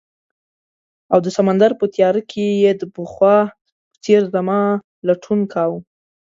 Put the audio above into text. او د سمندر په تیاره کې یې د پخوا په څیر زما لټون کاؤه